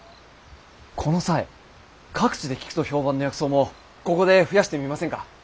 この際各地で効くと評判の薬草もここで増やしてみませんか？